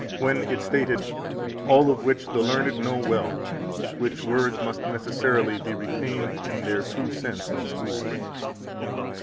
1029) [when it is stated]: All of which the learned know well; which words must necessarily be retained in their true sense in the schools.